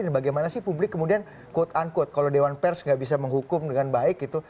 dan bagaimana sih publik kemudian quote unquote kalau dewan pers tidak bisa menghukum dengan baik itu